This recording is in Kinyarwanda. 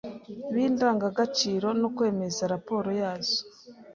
b’indangagaciro no kwemeza raporo yazo.